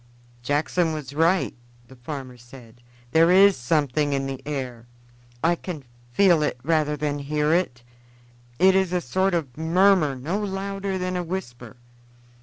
"Jackson was right," the farmer said; "there is something in the air. I can feel it rather than hear it. It is a sort of murmur no louder than a whisper.